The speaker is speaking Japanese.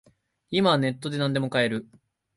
今はネットでなんでも買える